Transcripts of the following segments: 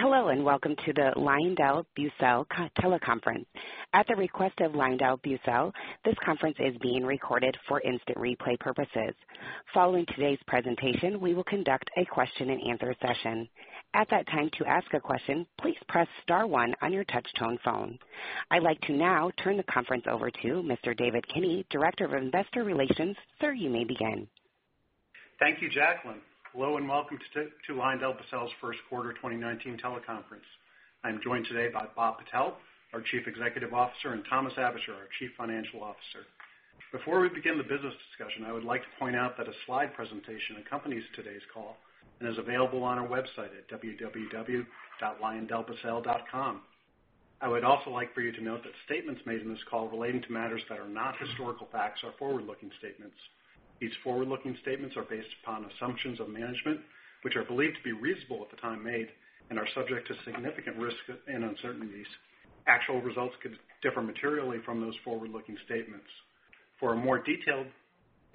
Hello, welcome to the LyondellBasell teleconference. At the request of LyondellBasell, this conference is being recorded for instant replay purposes. Following today's presentation, we will conduct a question and answer session. At that time, to ask a question, please press star one on your touch-tone phone. I'd like to now turn the conference over to Mr. David Kinney, Director of Investor Relations. Sir, you may begin. Thank you, Jacqueline. Hello, welcome to LyondellBasell's first quarter 2019 teleconference. I'm joined today by Bob Patel, our Chief Executive Officer, and Thomas Aebischer, our Chief Financial Officer. Before we begin the business discussion, I would like to point out that a slide presentation accompanies today's call and is available on our website at www.lyondellbasell.com. I would also like for you to note that statements made in this call relating to matters that are not historical facts are forward-looking statements. These forward-looking statements are based upon assumptions of management, which are believed to be reasonable at the time made and are subject to significant risks and uncertainties. Actual results could differ materially from those forward-looking statements. For more detailed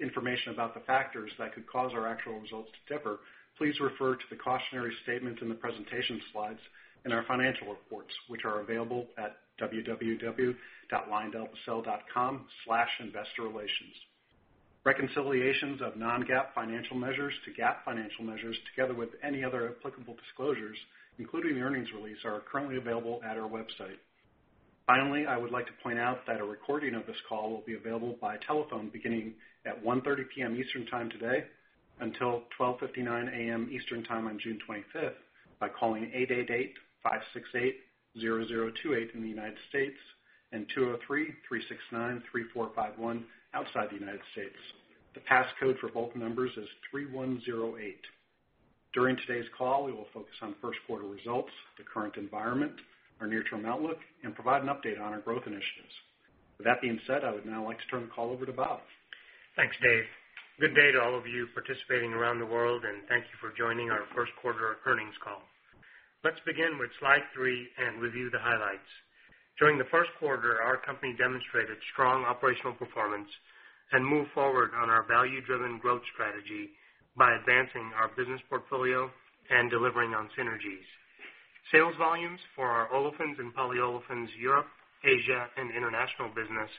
information about the factors that could cause our actual results to differ, please refer to the cautionary statements in the presentation slides and our financial reports, which are available at www.lyondellbasell.com/investorrelations. Reconciliations of non-GAAP financial measures to GAAP financial measures, together with any other applicable disclosures, including the earnings release, are currently available at our website. Finally, I would like to point out that a recording of this call will be available by telephone beginning at 1:30 P.M. Eastern Time today until 12:59 A.M. Eastern Time on June 25th by calling 888-568-0028 in the United States and 203-369-3451 outside the United States. The passcode for both numbers is 3108. During today's call, we will focus on first quarter results, the current environment, our near-term outlook, and provide an update on our growth initiatives. With that being said, I would now like to turn the call over to Bob. Thanks, Dave. Good day to all of you participating around the world, and thank you for joining our first quarter earnings call. Let's begin with slide three and review the highlights. During the first quarter, our company demonstrated strong operational performance and moved forward on our value-driven growth strategy by advancing our business portfolio and delivering on synergies. Sales volumes for our Olefins and Polyolefins, Europe, Asia, and International business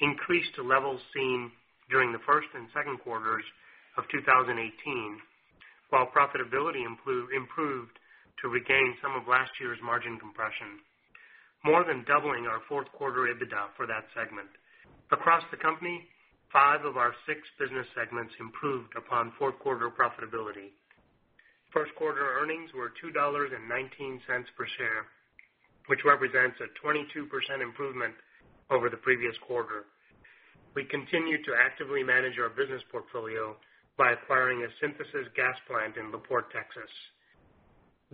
increased to levels seen during the first and second quarters of 2018, while profitability improved to regain some of last year's margin compression, more than doubling our fourth quarter EBITDA for that segment. Across the company, five of our six business segments improved upon fourth quarter profitability. First quarter earnings were $2.19 per share, which represents a 22% improvement over the previous quarter. We continue to actively manage our business portfolio by acquiring a synthesis gas plant in La Porte, Texas.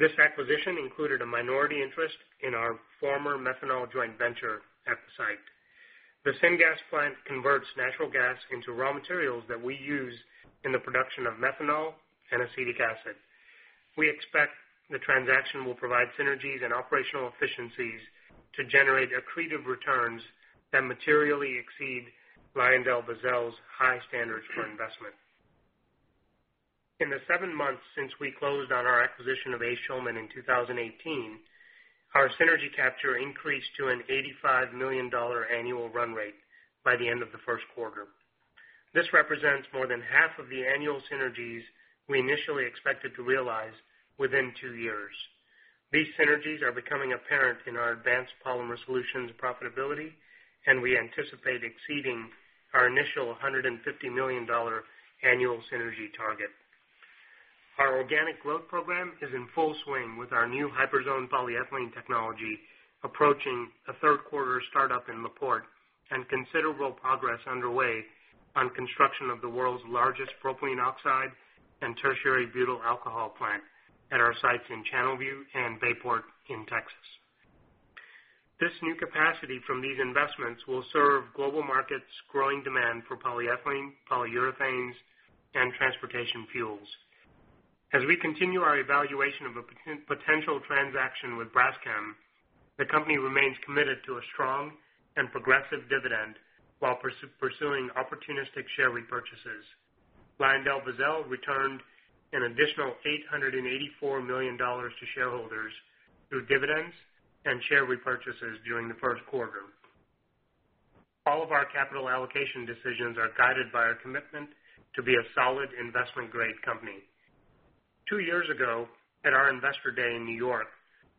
This acquisition included a minority interest in our former methanol joint venture at the site. The syn gas plant converts natural gas into raw materials that we use in the production of methanol and acetic acid. We expect the transaction will provide synergies and operational efficiencies to generate accretive returns that materially exceed LyondellBasell's high standards for investment. In the seven months since we closed on our acquisition of A. Schulman in 2018, our synergy capture increased to an $85 million annual run rate by the end of the first quarter. This represents more than 1/2 of the annual synergies we initially expected to realize within two years. These synergies are becoming apparent in our Advanced Polymer Solutions profitability, and we anticipate exceeding our initial $150 million annual synergy target. Our organic growth program is in full swing with our new HyperZone polyethylene technology approaching a third quarter startup in La Porte and considerable progress underway on construction of the world's largest propylene oxide and tertiary butyl alcohol plant at our sites in Channelview and Bayport in Texas. This new capacity from these investments will serve global markets' growing demand for polyethylene, polyurethanes, and transportation fuels. As we continue our evaluation of a potential transaction with Braskem, the company remains committed to a strong and progressive dividend while pursuing opportunistic share repurchases. LyondellBasell returned an additional $884 million to shareholders through dividends and share repurchases during the first quarter. All of our capital allocation decisions are guided by our commitment to be a solid investment-grade company. Two years ago, at our Investor Day in New York,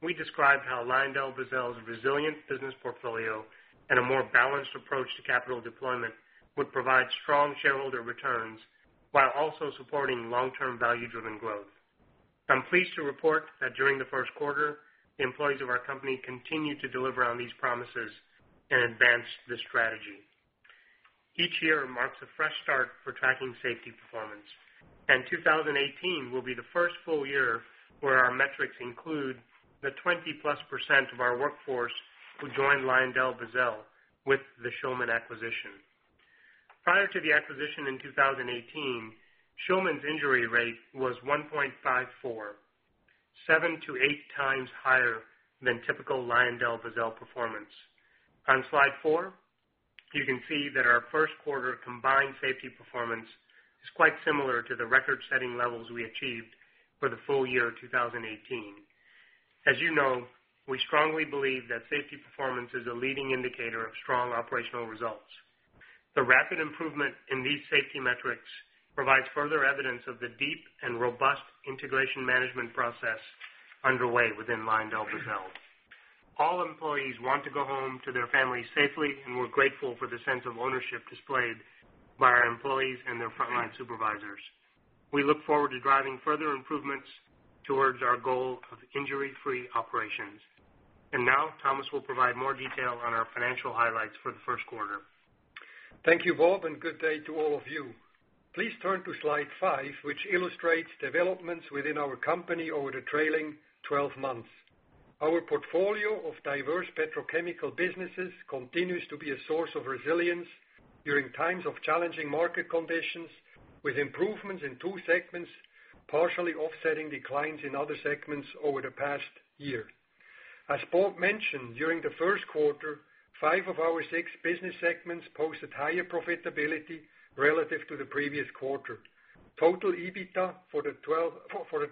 we described how LyondellBasell's resilient business portfolio and a more balanced approach to capital deployment would provide strong shareholder returns while also supporting long-term value-driven growth. I'm pleased to report that during the first quarter, the employees of our company continued to deliver on these promises and advance this strategy. Each year marks a fresh start for tracking safety performance, and 2018 will be the first full year where our metrics include the 20%+ of our workforce who joined LyondellBasell with the Schulman acquisition. Prior to the acquisition in 2018, Schulman's injury rate was 1.54%, seven to eight times higher than typical LyondellBasell performance. On slide four, you can see that our first quarter combined safety performance is quite similar to the record-setting levels we achieved for the full year 2018. As you know, we strongly believe that safety performance is a leading indicator of strong operational results. The rapid improvement in these safety metrics provides further evidence of the deep and robust integration management process underway within LyondellBasell. All employees want to go home to their families safely, and we're grateful for the sense of ownership displayed by our employees and their frontline supervisors. We look forward to driving further improvements towards our goal of injury-free operations. Now Thomas will provide more detail on our financial highlights for the first quarter. Thank you, Bob, and good day to all of you. Please turn to slide five, which illustrates developments within our company over the trailing 12 months. Our portfolio of diverse petrochemical businesses continues to be a source of resilience during times of challenging market conditions, with improvements in two segments partially offsetting declines in other segments over the past year. As Bob mentioned, during the first quarter, five of our six business segments posted higher profitability relative to the previous quarter. Total EBITDA for the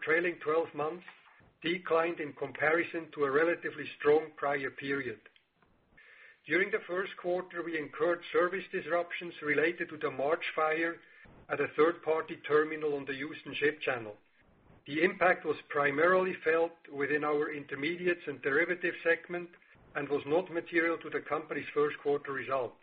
trailing 12 months declined in comparison to a relatively strong prior period. During the first quarter, we incurred service disruptions related to the March fire at a third-party terminal on the Houston Ship Channel. The impact was primarily felt within our Intermediates and Derivatives segment and was not material to the company's first quarter results.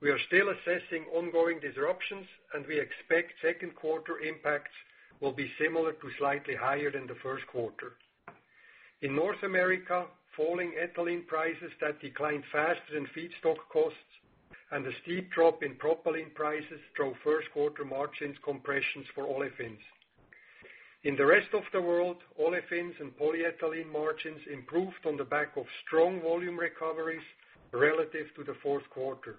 We are still assessing ongoing disruptions. We expect second quarter impacts will be similar to slightly higher than the first quarter. In North America, falling ethylene prices that declined faster than feedstock costs and a steep drop in propylene prices drove first-quarter margins compressions for Olefins. In the rest of the world Olefins and Polyolefins margins improved on the back of strong volume recoveries relative to the fourth quarter.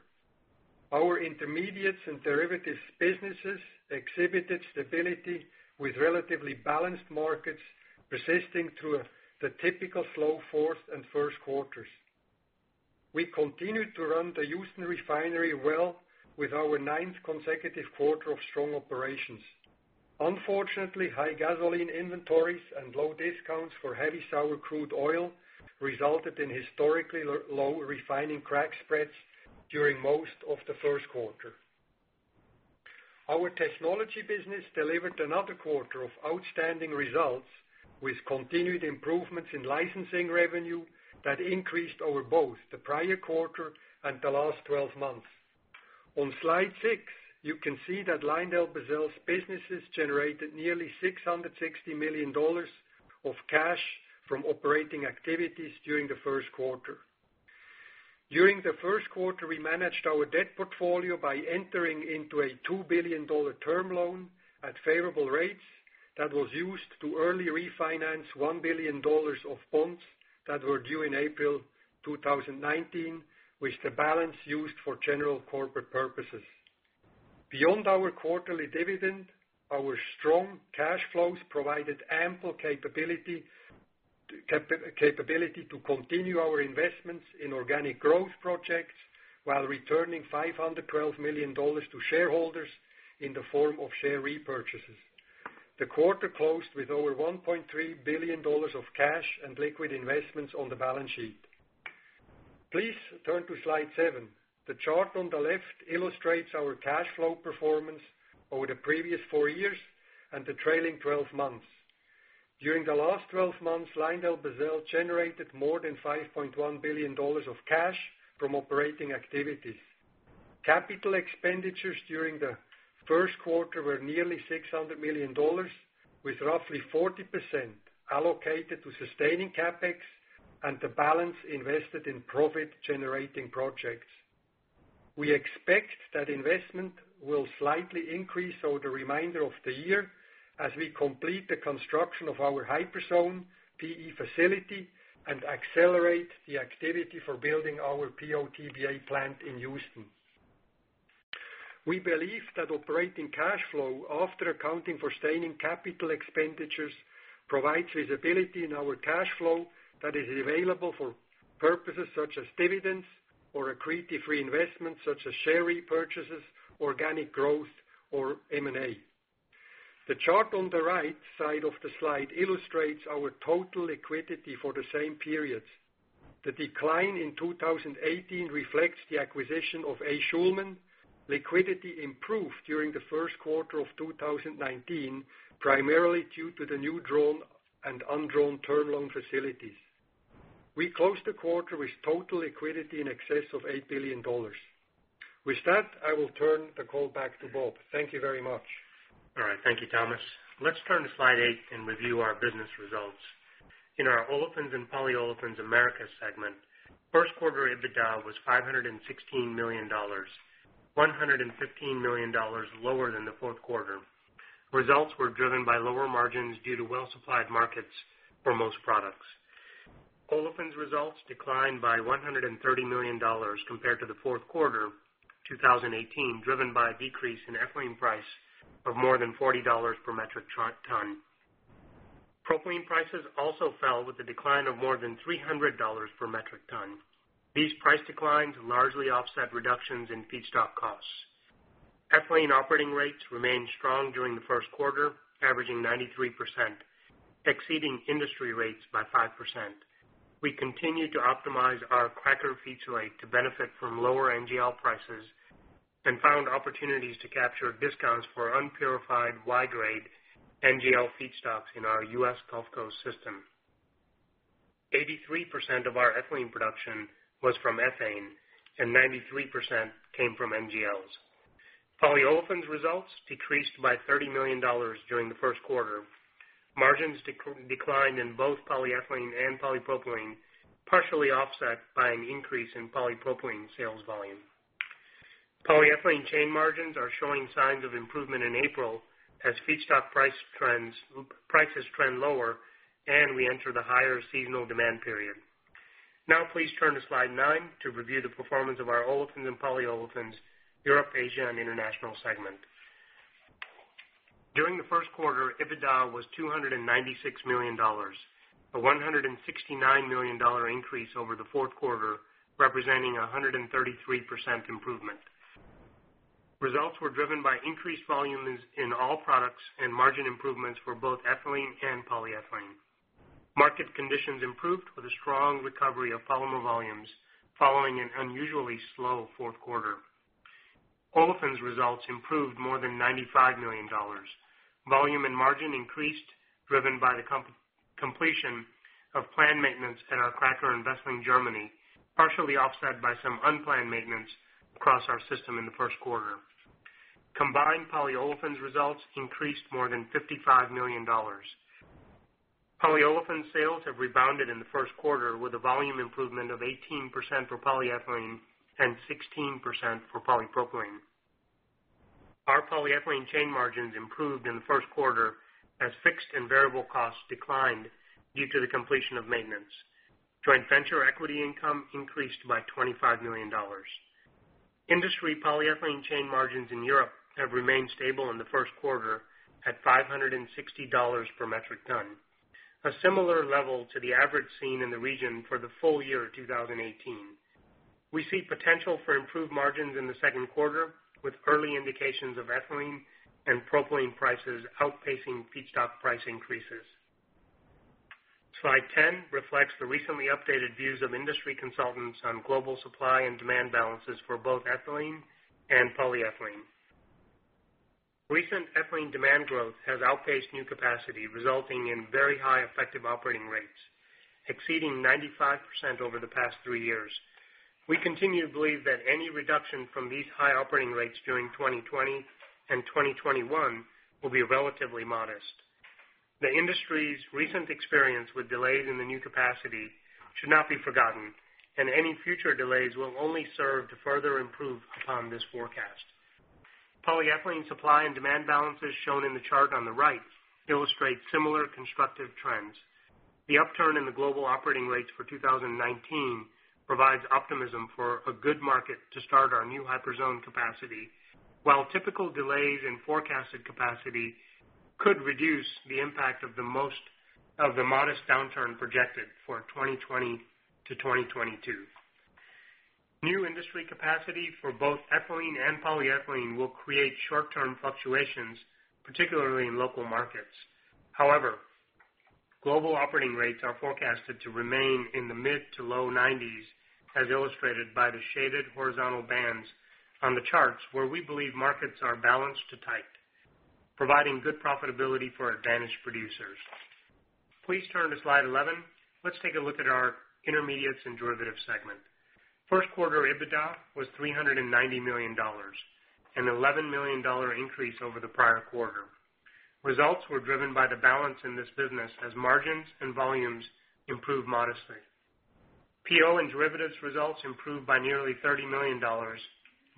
Our Intermediates and Derivatives businesses exhibited stability with relatively balanced markets persisting through the typical slow fourth and first quarters. We continued to run the Houston refinery well with our ninth consecutive quarter of strong operations. Unfortunately, high gasoline inventories and low discounts for heavy sour crude oil resulted in historically low refining crack spreads during most of the first quarter. Our technology business delivered another quarter of outstanding results, with continued improvements in licensing revenue that increased over both the prior quarter and the last 12 months. On slide six, you can see that LyondellBasell's businesses generated nearly $660 million of cash from operating activities during the first quarter. During the first quarter, we managed our debt portfolio by entering into a $2 billion term loan at favorable rates that was used to early refinance $1 billion of bonds that were due in April 2019, with the balance used for general corporate purposes. Beyond our quarterly dividend, our strong cash flows provided ample capability to continue our investments in organic growth projects while returning $512 million to shareholders in the form of share repurchases. The quarter closed with over $1.3 billion of cash and liquid investments on the balance sheet. Please turn to slide seven. The chart on the left illustrates our cash flow performance over the previous four years and the trailing 12 months. During the last 12 months, LyondellBasell generated more than $5.1 billion of cash from operating activities. Capital expenditures during the first quarter were nearly $600 million, with roughly 40% allocated to sustaining CapEx and the balance invested in profit-generating projects. We expect that investment will slightly increase over the remainder of the year as we complete the construction of our HyperZone PE facility and accelerate the activity for building our PO-TBA plant in Houston. We believe that operating cash flow after accounting for sustaining capital expenditures provides visibility into our cash flow that is available for purposes such as dividends or accretive reinvestments such as share repurchases, organic growth, or M&A. The chart on the right side of the slide illustrates our total liquidity for the same periods. The decline in 2018 reflects the acquisition of A. Schulman. Liquidity improved during the first quarter of 2019, primarily due to the new drawn and undrawn term loan facilities. We closed the quarter with total liquidity in excess of $8 billion. With that, I will turn the call back to Bob. Thank you very much. All right. Thank you, Thomas. Let's turn to slide eight and review our business results. In our Olefins and Polyolefins Americas segment, first quarter EBITDA was $516 million, $115 million lower than the fourth quarter. Results were driven by lower margins due to well-supplied markets for most products. Olefins results declined by $130 million compared to the fourth quarter 2018, driven by a decrease in ethylene price of more than $40 per metric ton. Propylene prices also fell with a decline of more than $300 per metric ton. These price declines largely offset reductions in feedstock costs. Ethylene operating rates remained strong during the first quarter, averaging 93%, exceeding industry rates by 5%. We continued to optimize our cracker feeds rate to benefit from lower NGL prices and found opportunities to capture discounts for unpurified Y-grade NGL feedstocks in our U.S. Gulf Coast system. 83% of our ethylene production was from ethane, and 93% came from NGLs. Polyolefins results decreased by $30 million during the first quarter. Margins declined in both polyethylene and polypropylene, partially offset by an increase in polypropylene sales volume. Polyethylene chain margins are showing signs of improvement in April as feedstock prices trend lower and we enter the higher seasonal demand period. Now please turn to slide nine to review the performance of our Olefins and Polyolefins Europe, Asia, and International segment. During the first quarter, EBITDA was $296 million, a $169 million increase over the fourth quarter, representing 133% improvement. Results were driven by increased volumes in all products and margin improvements for both ethylene and polyethylene. Market conditions improved with a strong recovery of polymer volumes following an unusually slow fourth quarter. Olefins results improved more than $95 million. Volume and margin increased, driven by the completion of planned maintenance at our cracker in Wesseling, Germany, partially offset by some unplanned maintenance across our system in the first quarter. Combined polyolefins results increased more than $55 million. Polyolefins sales have rebounded in the first quarter with a volume improvement of 18% for polyethylene and 16% for polypropylene. Our polyethylene chain margins improved in the first quarter as fixed and variable costs declined due to the completion of maintenance. Joint venture equity income increased by $25 million. Industry polyethylene chain margins in Europe have remained stable in the first quarter at $560 per metric ton. A similar level to the average seen in the region for the full year 2018. We see potential for improved margins in the second quarter with early indications of ethylene and propylene prices outpacing feedstock price increases. Slide 10 reflects the recently updated views of industry consultants on global supply and demand balances for both ethylene and polyethylene. Recent ethylene demand growth has outpaced new capacity, resulting in very high effective operating rates, exceeding 95% over the past three years. We continue to believe that any reduction from these high operating rates during 2020 and 2021 will be relatively modest. The industry's recent experience with delays in the new capacity should not be forgotten, and any future delays will only serve to further improve upon this forecast. Polyolefins supply and demand balances shown in the chart on the right illustrate similar constructive trends. The upturn in the global operating rates for 2019 provides optimism for a good market to start our new HyperZone capacity, while typical delays in forecasted capacity could reduce the impact of the modest downturn projected for 2020-2022. New industry capacity for both ethylene and polyethylene will create short-term fluctuations, particularly in local markets. However, global operating rates are forecasted to remain in the mid to low 90s, as illustrated by the shaded horizontal bands on the charts where we believe markets are balanced to tight, providing good profitability for advantaged producers. Please turn to slide 11. Let's take a look at our Intermediates and Derivatives segment. First quarter EBITDA was $390 million, an $11 million increase over the prior quarter. Results were driven by the balance in this business as margins and volumes improved modestly. PO and Derivatives results improved by nearly $30 million.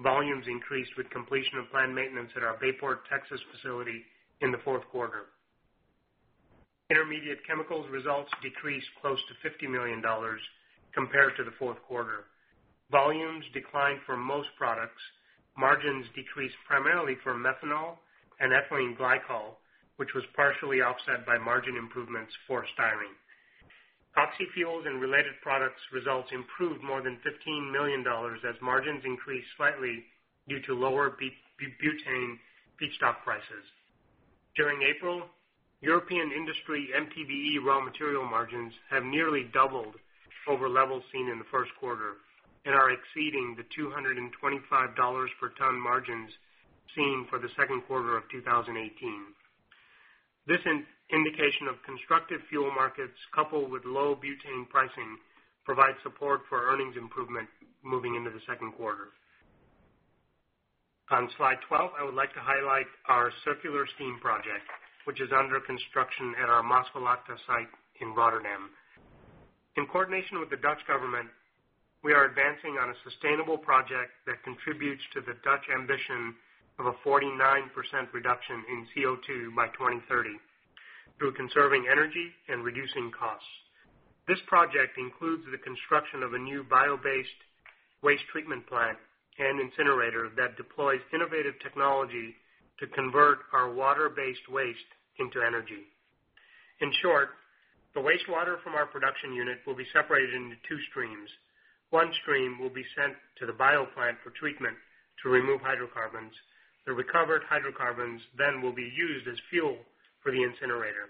Volumes increased with completion of planned maintenance at our Bayport, Texas facility in the fourth quarter. Intermediate Chemicals results decreased close to $50 million compared to the fourth quarter. Volumes declined for most products. Margins decreased primarily for methanol and ethylene glycol, which was partially offset by margin improvements for styrene. Oxy-fuels and related products results improved more than $15 million as margins increased slightly due to lower butane feedstock prices. During April, European industry MTBE raw material margins have nearly doubled over levels seen in the first quarter and are exceeding the $225 per ton margins seen for the second quarter of 2018. This indication of constructive fuel markets coupled with low butane pricing provides support for earnings improvement moving into the second quarter. On slide 12, I would like to highlight our circular steam project, which is under construction at our Maasvlakte site in Rotterdam. In coordination with the Dutch government, we are advancing on a sustainable project that contributes to the Dutch ambition of a 49% reduction in CO2 by 2030 through conserving energy and reducing costs. This project includes the construction of a new bio-based waste treatment plant and incinerator that deploys innovative technology to convert our water-based waste into energy. In short, the wastewater from our production unit will be separated into two streams. One stream will be sent to the bio plant for treatment to remove hydrocarbons. The recovered hydrocarbons will be used as fuel for the incinerator.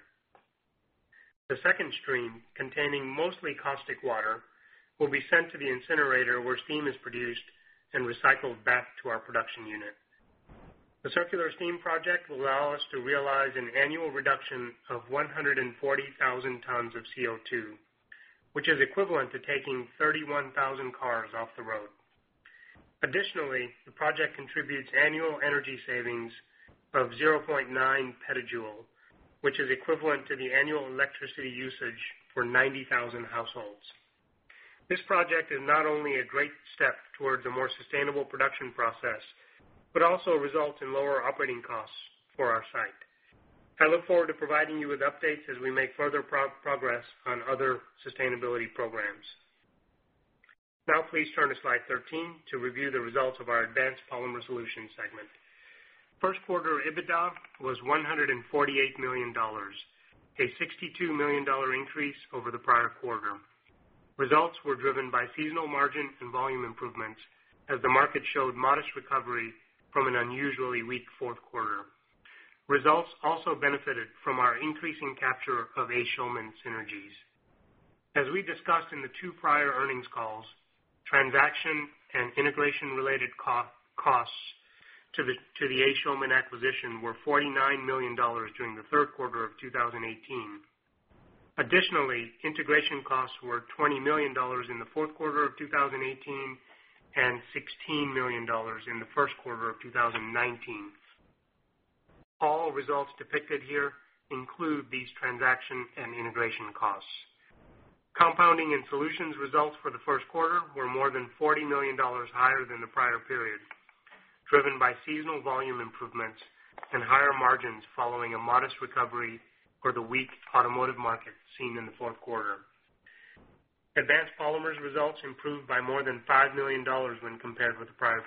The second stream, containing mostly caustic water, will be sent to the incinerator, where steam is produced and recycled back to our production unit. The circular steam project will allow us to realize an annual reduction of 140,000 tons of CO2, which is equivalent to taking 31,000 cars off the road. Additionally, the project contributes annual energy savings of 0.9 petajoule, which is equivalent to the annual electricity usage for 90,000 households. This project is not only a great step towards a more sustainable production process, also results in lower operating costs for our site. I look forward to providing you with updates as we make further progress on other sustainability programs. Now please turn to slide 13 to review the results of our Advanced Polymer Solutions segment. First quarter EBITDA was $148 million, a $62 million increase over the prior quarter. Results were driven by seasonal margin and volume improvements as the market showed modest recovery from an unusually weak fourth quarter. Results also benefited from our increasing capture of A. Schulman synergies. As we discussed in the two prior earnings calls, transaction and integration related costs to the A. Schulman acquisition were $49 million during the third quarter of 2018. Additionally, integration costs were $20 million in the fourth quarter of 2018 and $16 million in the first quarter of 2019. All results depicted here include these transaction and integration costs. Compounding and solutions results for the first quarter were more than $40 million higher than the prior period, driven by seasonal volume improvements and higher margins following a modest recovery for the weak automotive market seen in the fourth quarter. Advanced Polymers results improved by more than $5 million when compared with the prior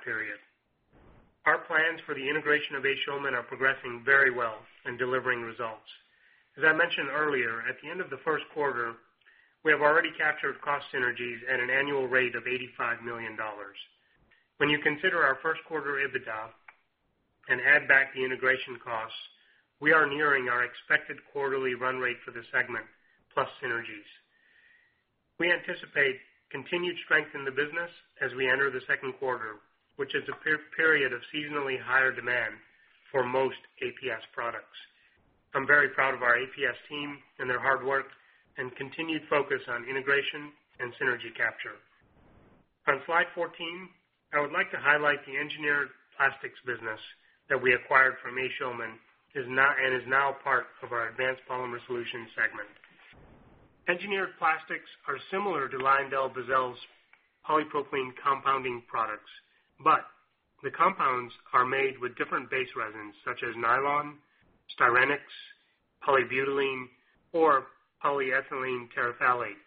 period. Our plans for the integration of A. Schulman are progressing very well and delivering results. As I mentioned earlier, at the end of the first quarter, we have already captured cost synergies at an annual rate of $85 million. When you consider our first quarter EBITDA and add back the integration costs, we are nearing our expected quarterly run rate for the segment, plus synergies. We anticipate continued strength in the business as we enter the second quarter, which is a period of seasonally higher demand for most APS products. I'm very proud of our APS team and their hard work and continued focus on integration and synergy capture. On slide 14, I would like to highlight the engineered plastics business that we acquired from A. Schulman and is now part of our Advanced Polymer Solutions segment. Engineered plastics are similar to LyondellBasell's polypropylene compounding products, the compounds are made with different base resins such as nylon, styrenics, polybutylene, or polyethylene terephthalate.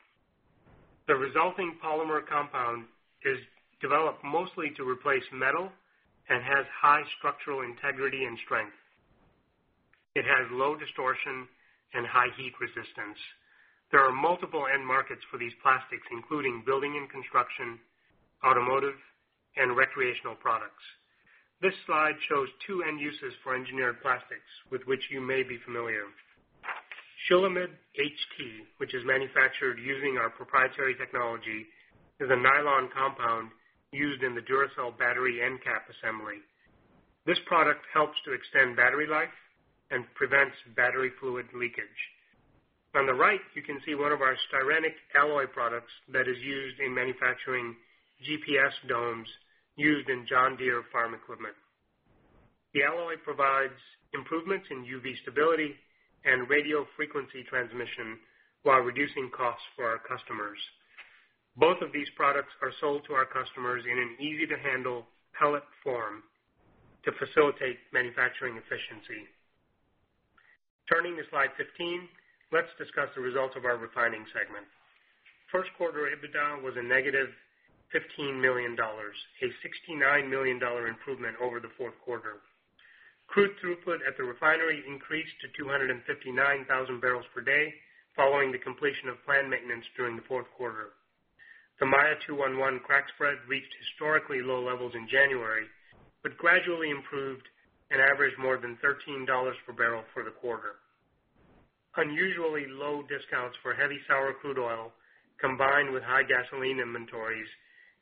The resulting polymer compound is developed mostly to replace metal and has high structural integrity and strength. It has low distortion and high heat resistance. There are multiple end markets for these plastics, including building and construction, automotive, and recreational products. This slide shows two end uses for engineered plastics with which you may be familiar. SCHULAMID HT, which is manufactured using our proprietary technology, is a nylon compound used in the Duracell battery end cap assembly. This product helps to extend battery life and prevents battery fluid leakage. On the right, you can see one of our styrenic alloy products that is used in manufacturing GPS domes used in John Deere farm equipment. The alloy provides improvements in UV stability and radio frequency transmission while reducing costs for our customers. Both of these products are sold to our customers in an easy-to-handle pellet form to facilitate manufacturing efficiency. Turning to slide 15, let's discuss the results of our refining segment. First quarter EBITDA was a negative $15 million, a $69 million improvement over the fourth quarter. Crude throughput at the refinery increased to 259,000 bbl per day following the completion of planned maintenance during the fourth quarter. The Maya 2-1-1 crack spread reached historically low levels in January, but gradually improved and averaged more than $13 per barrel for the quarter. Unusually low discounts for heavy sour crude oil, combined with high gasoline inventories,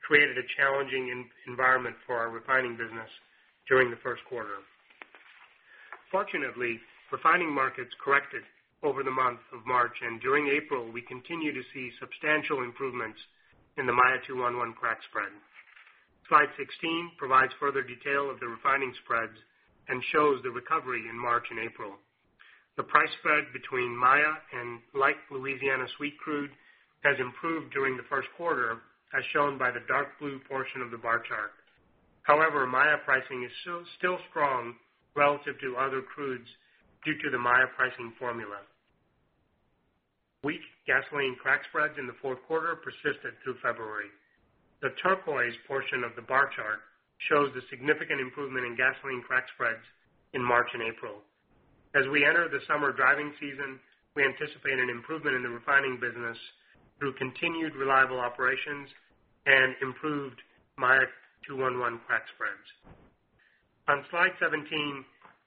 created a challenging environment for our refining business during the first quarter. Fortunately, refining markets corrected over the month of March, and during April we continue to see substantial improvements in the Maya 2-1-1 crack spread. Slide 16 provides further detail of the refining spreads and shows the recovery in March and April. The price spread between Maya and Light Louisiana Sweet crude has improved during the first quarter, as shown by the dark blue portion of the bar chart. Maya pricing is still strong relative to other crudes due to the Maya pricing formula. Weak gasoline crack spreads in the fourth quarter persisted through February. The turquoise portion of the bar chart shows the significant improvement in gasoline crack spreads in March and April. As we enter the summer driving season, we anticipate an improvement in the refining business through continued reliable operations and improved Maya 2-1-1 crack spreads. On slide 17,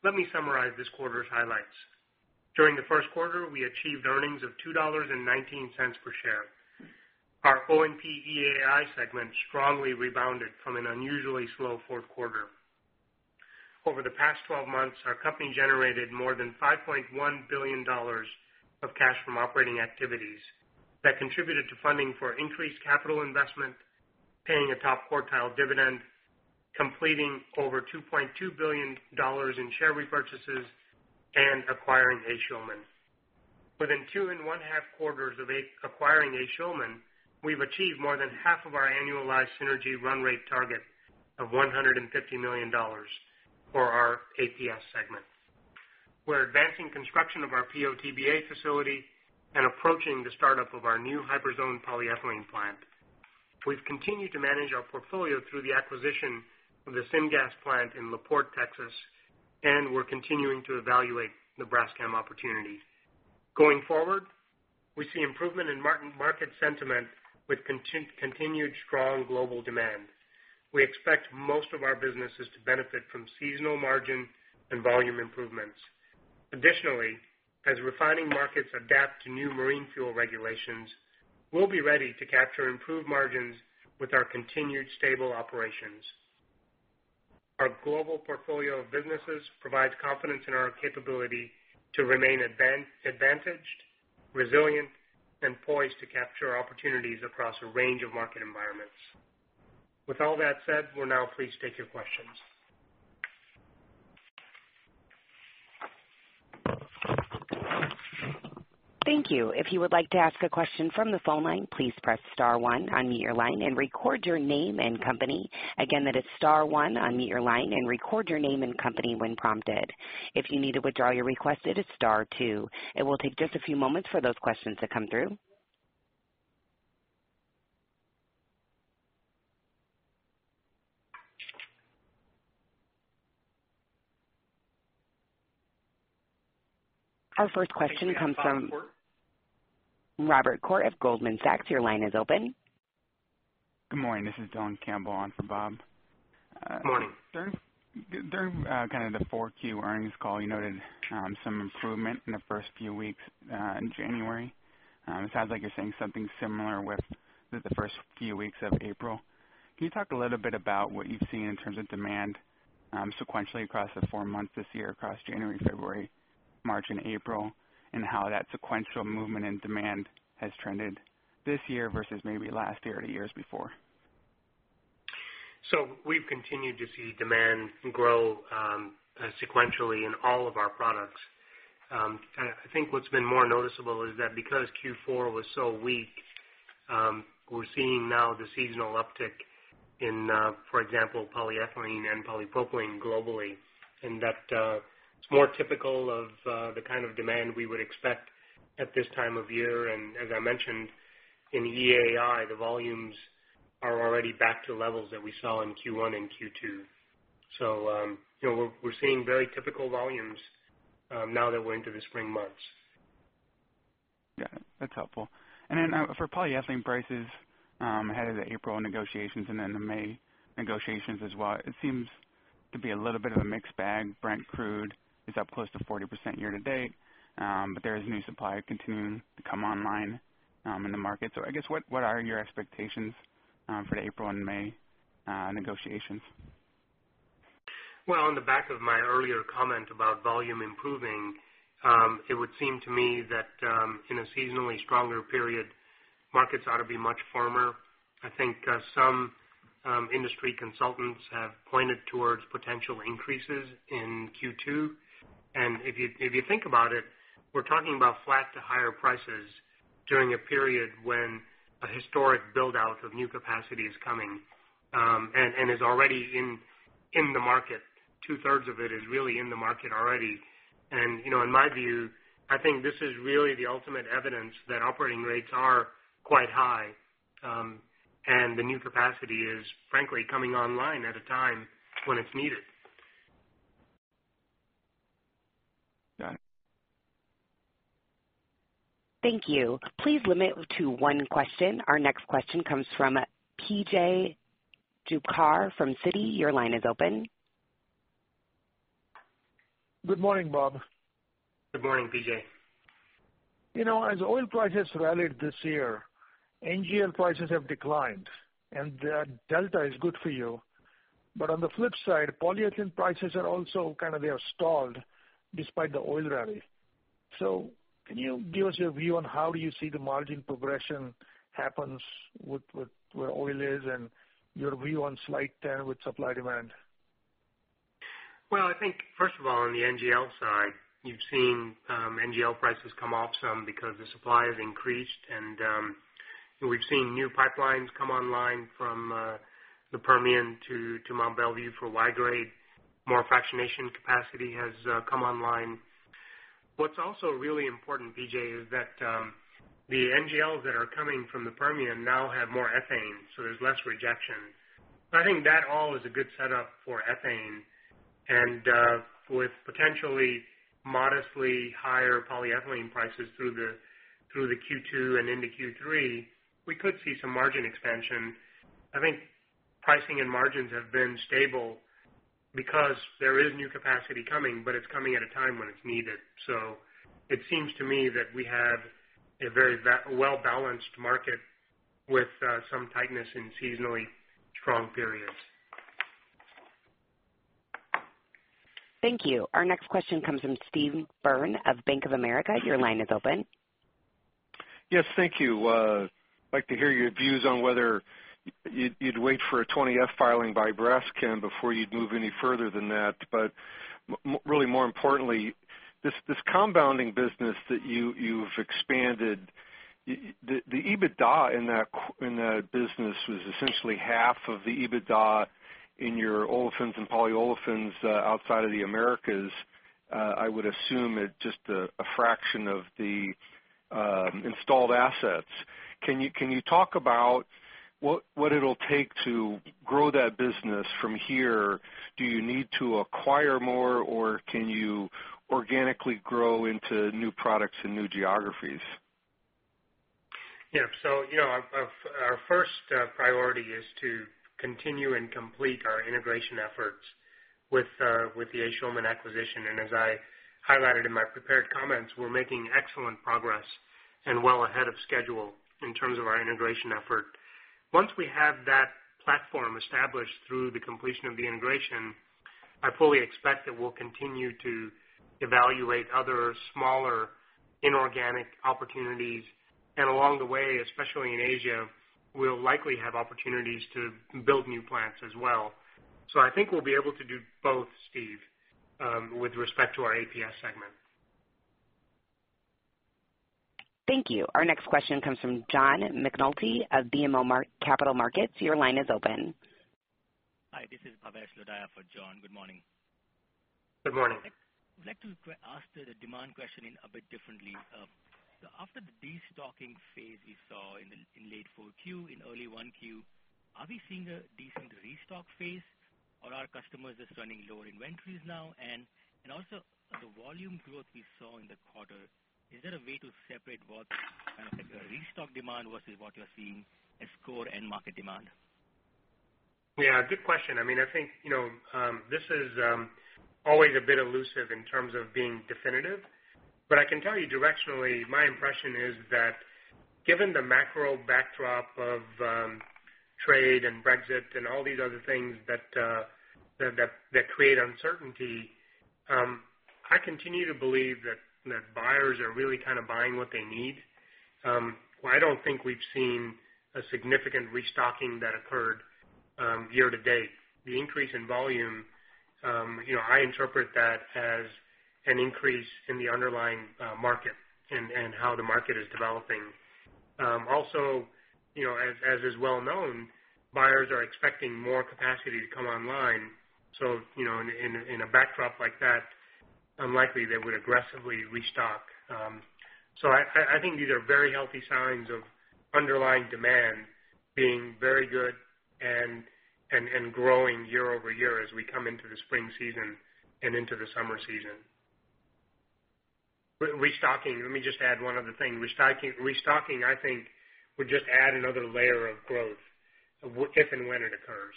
let me summarize this quarter's highlights. During the first quarter, we achieved earnings of $2.19 per share. Our O&P-EAI segment strongly rebounded from an unusually slow fourth quarter. Over the past 12 months, our company generated more than $5.1 billion of cash from operating activities that contributed to funding for increased capital investment, paying a top quartile dividend, completing over $2.2 billion in share repurchases, and acquiring A. Schulman. Within two and 1.5 quarters of acquiring A. Schulman, we've achieved more than 1/2 of our annualized synergy run rate target of $150 million for our APS segment. We're advancing construction of our PO-TBA facility and approaching the start-up of our new HyperZone polyethylene plant. We've continued to manage our portfolio through the acquisition of the syngas plant in La Porte, Texas, and we're continuing to evaluate the Braskem opportunity. Going forward, we see improvement in market sentiment with continued strong global demand. We expect most of our businesses to benefit from seasonal margin and volume improvements. Additionally, as refining markets adapt to new marine fuel regulations, we'll be ready to capture improved margins with our continued stable operations. Our global portfolio of businesses provides confidence in our capability to remain advantaged, resilient, and poised to capture opportunities across a range of market environments. With all that said, we'll now please take your questions. Thank you. If you would like to ask a question from the phone line, please press star one, unmute your line, and record your name and company. Again, that is star one, unmute your line, and record your name and company when prompted. If you need to withdraw your request, hit star two. It will take just a few moments for those questions to come through. Our first question comes from Robert Koort of Goldman Sachs. Your line is open. Good morning. This is Dylan Campbell on for Bob. Morning. During kind of the 4Q earnings call, you noted some improvement in the first few weeks in January. It sounds like you're saying something similar with the first few weeks of April. Can you talk a little bit about what you've seen in terms of demand sequentially across the four months this year, across January, February, March, and April, and how that sequential movement in demand has trended this year versus maybe last year or the years before? We've continued to see demand grow sequentially in all of our products. I think what's been more noticeable is that because Q4 was so weak, we're seeing now the seasonal uptick in, for example, polyethylene and polypropylene globally, and that it's more typical of the kind of demand we would expect at this time of year. As I mentioned in EAI, the volumes are already back to levels that we saw in Q1 and Q2. We're seeing very typical volumes now that we're into the spring months. Yeah, that's helpful. For polyethylene prices ahead of the April negotiations and the May negotiations as well, it seems to be a little bit of a mixed bag. Brent Crude is up close to 40% year-to-date. There is new supply continuing to come online in the market. I guess, what are your expectations for the April and May negotiations? Well, on the back of my earlier comment about volume improving, it would seem to me that in a seasonally stronger period, markets ought to be much firmer. I think some industry consultants have pointed towards potential increases in Q2. If you think about it, we're talking about flat to higher prices during a period when a historic build-out of new capacity is coming, and is already in the market. Two-thirds of it is really in the market already. In my view, I think this is really the ultimate evidence that operating rates are quite high, and the new capacity is frankly coming online at a time when it's needed. Got it. Thank you. Please limit to one question. Our next question comes from P.J. Juvekar from Citi. Your line is open. Good morning, Bob. Good morning, P.J. As oil prices rallied this year, NGL prices have declined, and that delta is good for you. On the flip side, polyethylene prices are also kind of stalled despite the oil rally. Can you give us your view on how you see the margin progression happens with where oil is and your view on slight turn with supply demand? I think first of all, on the NGL side, you've seen NGL prices come off some because the supply has increased, and we've seen new pipelines come online from the Permian to Mont Belvieu for Y-grade. More fractionation capacity has come online. What's also really important, P.J., is that the NGLs that are coming from the Permian now have more ethane, so there's less rejection. I think that all is a good setup for ethane. With potentially modestly higher polyethylene prices through the Q2 and into Q3, we could see some margin expansion. I think pricing and margins have been stable because there is new capacity coming, but it's coming at a time when it's needed. It seems to me that we have a very well-balanced market with some tightness in seasonally strong periods. Thank you. Our next question comes from Steve Byrne of Bank of America. Your line is open. Thank you. Really more importantly, this compounding business that you've expanded, the EBITDA in that business was essentially 1/2 of the EBITDA in your Olefins and Polyolefins outside of the Americas. I would assume at just a fraction of the installed assets. Can you talk about what it'll take to grow that business from here? Do you need to acquire more, or can you organically grow into new products and new geographies? Our first priority is to continue and complete our integration efforts with the A. Schulman acquisition. As I highlighted in my prepared comments, we're making excellent progress and well ahead of schedule in terms of our integration effort. Once we have that platform established through the completion of the integration, I fully expect that we'll continue to evaluate other smaller inorganic opportunities, and along the way, especially in Asia, we'll likely have opportunities to build new plants as well. I think we'll be able to do both, Steve, with respect to our APS segment. Thank you. Our next question comes from John McNulty of BMO Capital Markets. Your line is open. Hi, this is Bhavesh Lodaya for John. Good morning. Good morning. I'd like to ask the demand question in a bit differently. After the destocking phase we saw in late 4Q, in early 1Q, are we seeing a decent restock phase or are customers just running lower inventories now? Also the volume growth we saw in the quarter, is there a way to separate what restock demand versus what you're seeing as core end market demand? Yeah, good question. I think this is always a bit elusive in terms of being definitive. I can tell you directionally, my impression is that given the macro backdrop of trade and Brexit and all these other things that create uncertainty, I continue to believe that buyers are really kind of buying what they need. I don't think we've seen a significant restocking that occurred year to date. The increase in volume, I interpret that as an increase in the underlying market and how the market is developing. Also, as is well known, buyers are expecting more capacity to come online. In a backdrop like that, unlikely they would aggressively restock. I think these are very healthy signs of underlying demand being very good and growing year-over-year as we come into the spring season and into the summer season. Restocking, let me just add one other thing. Restocking, I think, would just add another layer of growth if and when it occurs.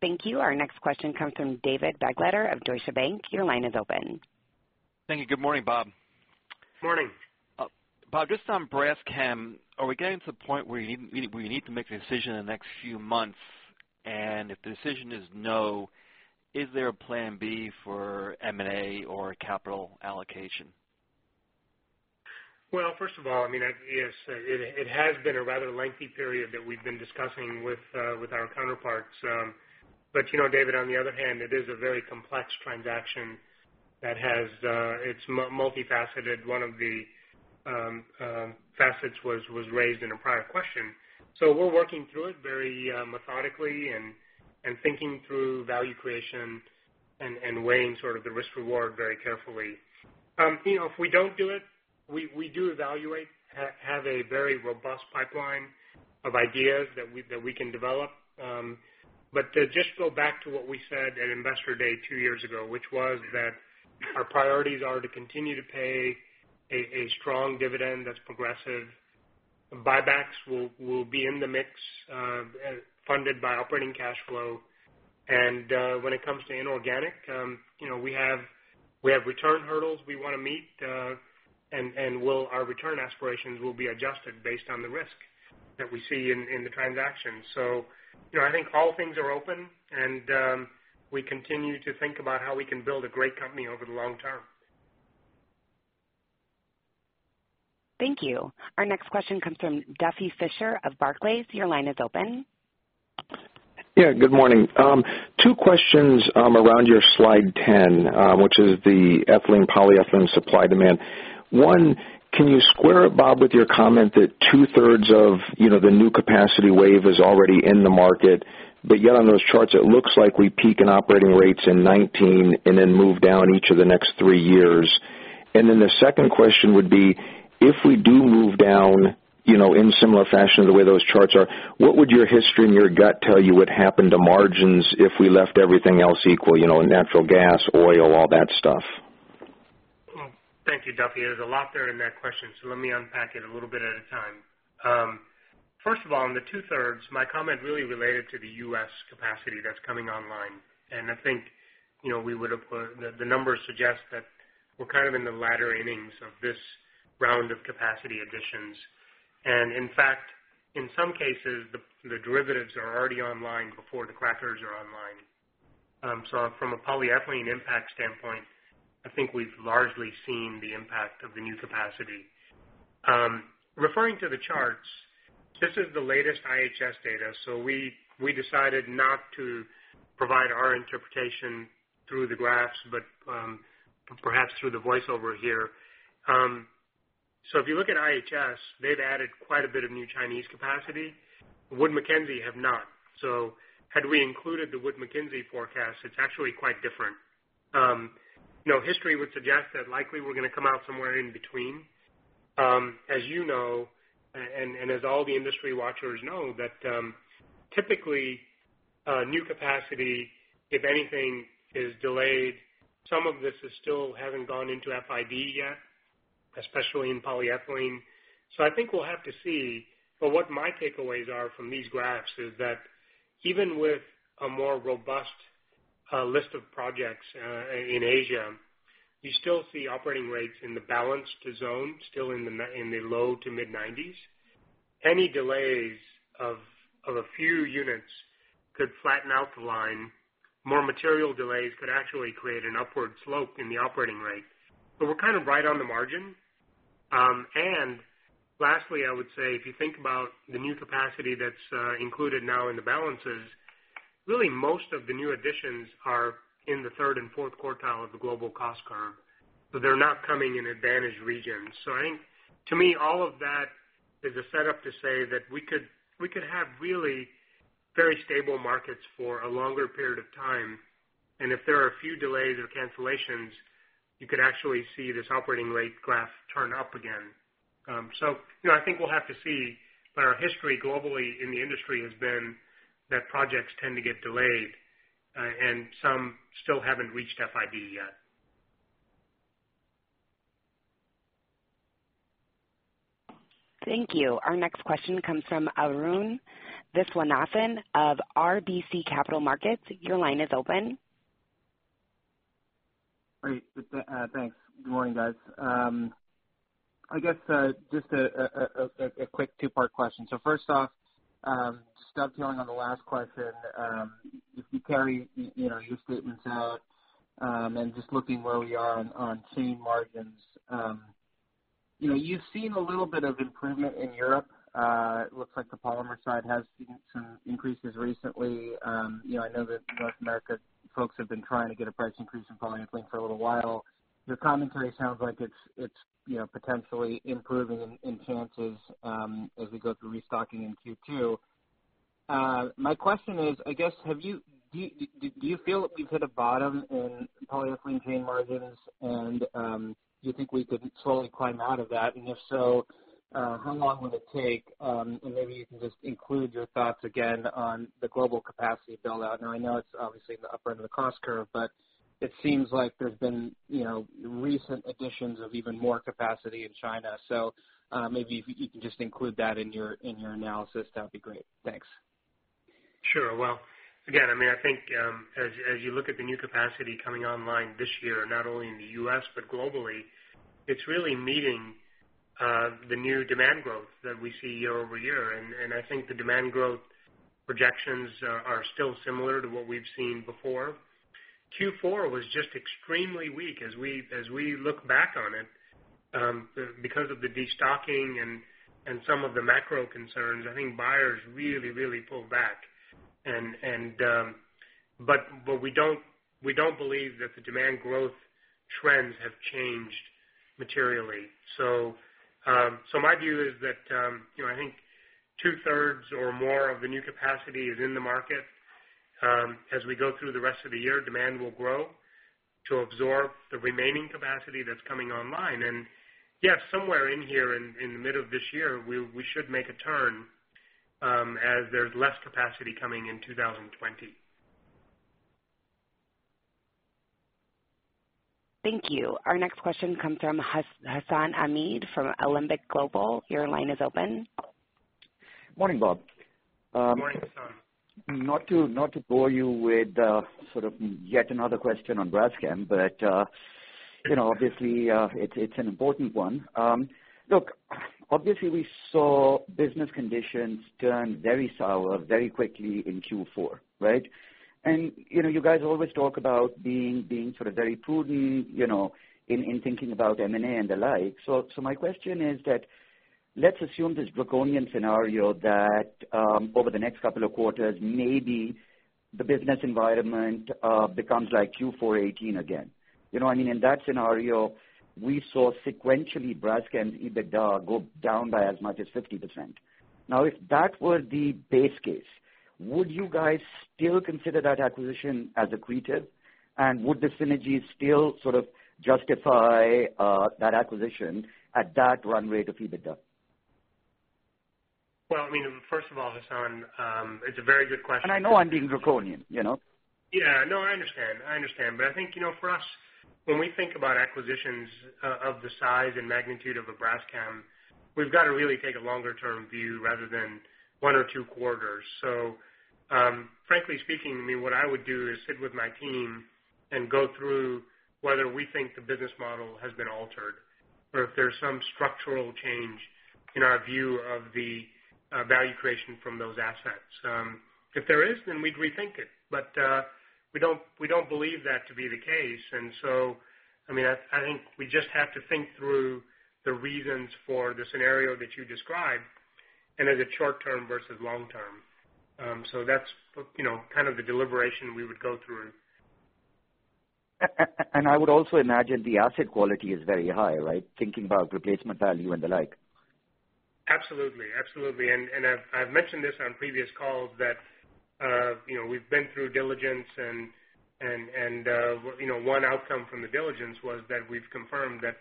Thank you. Our next question comes from David Begleiter of Deutsche Bank. Your line is open. Thank you. Good morning, Bob. Morning. Bob, just on Braskem, are we getting to the point where you need to make a decision in the next few months? If the decision is no, is there a plan B for M&A or capital allocation? Well, first of all, yes, it has been a rather lengthy period that we've been discussing with our counterparts. David, on the other hand, it is a very complex transaction that it's multifaceted. One of the facets was raised in a prior question. We're working through it very methodically and thinking through value creation and weighing sort of the risk reward very carefully. If we don't do it, we do evaluate, have a very robust pipeline of ideas that we can develop. To just go back to what we said at Investor Day two years ago, which was that our priorities are to continue to pay a strong dividend that's progressive. Buybacks will be in the mix, funded by operating cash flow. When it comes to inorganic, we have return hurdles we want to meet, and our return aspirations will be adjusted based on the risk that we see in the transaction. I think all things are open, and we continue to think about how we can build a great company over the long term. Thank you. Our next question comes from Duffy Fischer of Barclays. Your line is open. Good morning. Two questions around your slide 10, which is the ethylene polyethylene supply demand. One, can you square it, Bob, with your comment that two-thirds of the new capacity wave is already in the market, but yet on those charts, it looks like we peak in operating rates in 2019 and then move down each of the next three years. The second question would be: If we do move down in similar fashion the way those charts are, what would your history and your gut tell you would happen to margins if we left everything else equal, natural gas, oil, all that stuff? Thank you, Duffy Fischer. There's a lot there in that question, let me unpack it a little bit at a time. First of all, on the 2/3, my comment really related to the U.S. capacity that's coming online, I think the numbers suggest that we're kind of in the latter innings of this round of capacity additions. In fact, in some cases, the derivatives are already online before the crackers are online. From a polyethylene impact standpoint, I think we've largely seen the impact of the new capacity. Referring to the charts, this is the latest IHS data, we decided not to provide our interpretation through the graphs, but perhaps through the voiceover here. If you look at IHS, they've added quite a bit of new Chinese capacity. Wood Mackenzie have not. Had we included the Wood Mackenzie forecast, it's actually quite different. History would suggest that likely we're going to come out somewhere in between. As you know, as all the industry watchers know that, typically, new capacity, if anything, is delayed. Some of this still haven't gone into FID yet, especially in polyethylene. I think we'll have to see. What my takeaways are from these graphs is that even with a more robust list of projects in Asia, you still see operating rates in the balance to zone still in the low to mid-90s. Any delays of a few units could flatten out the line. More material delays could actually create an upward slope in the operating rate. We're kind of right on the margin. Lastly, I would say, if you think about the new capacity that's included now in the balances, really most of the new additions are in the third and fourth quartile of the global cost curve, they're not coming in advantaged regions. I think to me, all of that is a setup to say that we could have really very stable markets for a longer period of time, if there are a few delays or cancellations, you could actually see this operating rate graph turn up again. I think we'll have to see, our history globally in the industry has been that projects tend to get delayed, and some still haven't reached FID yet. Thank you. Our next question comes from Arun Viswanathan of RBC Capital Markets. Your line is open. Great. Thanks. Good morning, guys. I guess just a quick two-part question. First off, dovetailing on the last question. If you carry your statements out and just looking where we are on chain margins. You've seen a little bit of improvement in Europe. It looks like the polymer side has seen some increases recently. I know that North America folks have been trying to get a price increase in polyethylene for a little while. Your commentary sounds like it's potentially improving in chances as we go through restocking in Q2. My question is, I guess, do you feel that we've hit a bottom in polyethylene chain margins and do you think we could slowly climb out of that? If so, how long would it take? Maybe you can just include your thoughts again on the global capacity build-out. I know it's obviously in the upper end of the cost curve, but it seems like there's been recent additions of even more capacity in China. Maybe if you can just include that in your analysis, that would be great. Thanks. Sure. Well, again, I think as you look at the new capacity coming online this year, not only in the U.S. but globally, it's really meeting the new demand growth that we see year-over-year. I think the demand growth projections are still similar to what we've seen before. Q4 was just extremely weak as we look back on it. Because of the destocking and some of the macro concerns, I think buyers really, really pulled back. We don't believe that the demand growth trends have changed materially. My view is that, I think two-thirds or more of the new capacity is in the market. As we go through the rest of the year, demand will grow to absorb the remaining capacity that's coming online. Yeah, somewhere in here in the middle of this year, we should make a turn as there's less capacity coming in 2020. Thank you. Our next question comes from Hassan Ahmed from Alembic Global. Your line is open. Morning, Bob. Morning, Hassan. Not to bore you with sort of yet another question on Braskem, obviously, it's an important one. Look. Obviously, we saw business conditions turn very sour very quickly in Q4, right? You guys always talk about being very prudent in thinking about M&A and the like. My question is that, let's assume this draconian scenario that over the next couple of quarters, maybe the business environment becomes like Q4 2018 again. In that scenario, we saw sequentially Braskem EBITDA go down by as much as 50%. If that were the base case, would you guys still consider that acquisition as accretive? Would the synergy still sort of justify that acquisition at that runway to EBITDA? First of all, Hassan, it's a very good question. I know I'm being draconian. Yeah. No, I understand. I think for us, when we think about acquisitions of the size and magnitude of a Braskem, we've got to really take a longer-term view rather than one or two quarters. Frankly speaking, what I would do is sit with my team and go through whether we think the business model has been altered or if there's some structural change in our view of the value creation from those assets. If there is, we'd rethink it. We don't believe that to be the case, I think we just have to think through the reasons for the scenario that you described and as a short-term versus long-term. That's kind of the deliberation we would go through. I would also imagine the asset quality is very high, right? Thinking about replacement value and the like. Absolutely. I've mentioned this on previous calls that we've been through diligence and one outcome from the diligence was that we've confirmed that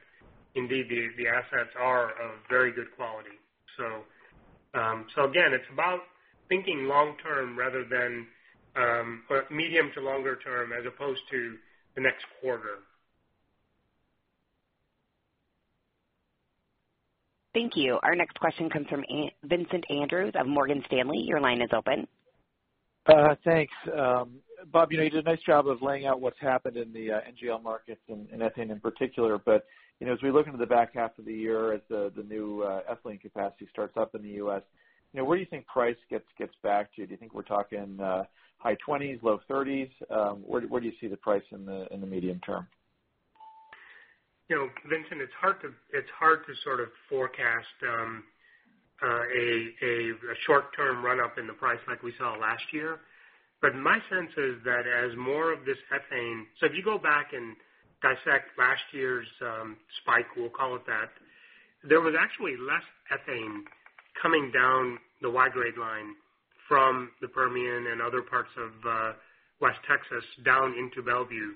indeed the assets are of very good quality. Again, it's about thinking long-term rather than medium to longer term as opposed to the next quarter. Thank you. Our next question comes from Vincent Andrews of Morgan Stanley. Your line is open. Thanks. Bob, you did a nice job of laying out what's happened in the NGL markets and ethane in particular. As we look into the back half of the year as the new ethylene capacity starts up in the U.S., where do you think price gets back to? Do you think we're talking high 20s, low 30s? Where do you see the price in the medium term? Vincent Andrews, it's hard to sort of forecast a short-term run-up in the price like we saw last year. My sense is that as more of this ethane, if you go back and dissect last year's spike, we'll call it that, there was actually less ethane coming down the Y-grade line from the Permian and other parts of West Texas down into Mont Belvieu.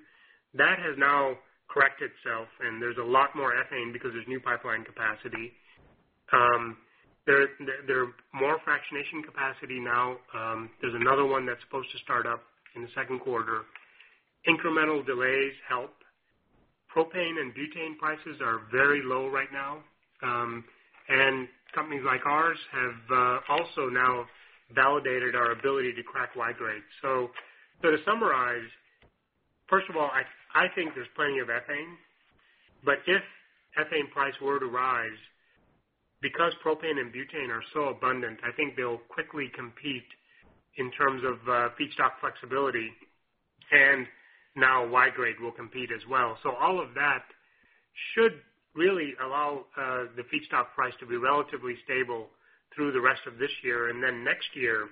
That has now corrected itself, and there's a lot more ethane because there's new pipeline capacity. There are more fractionation capacity now. There's another one that's supposed to start up in the second quarter. Incremental delays help. Propane and butane prices are very low right now. Companies like ours have also now validated our ability to crack Y-grade. To summarize, first of all, I think there's plenty of ethane, but if ethane price were to rise, because propane and butane are so abundant, I think they'll quickly compete in terms of feedstock flexibility, and now Y-grade will compete as well. All of that should really allow the feedstock price to be relatively stable through the rest of this year. Then next year,